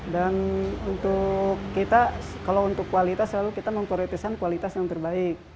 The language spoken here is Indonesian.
dan untuk kita kalau untuk kualitas selalu kita memprioritikan kualitas yang terbaik